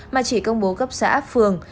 mà chỉ công bố cấp xã phường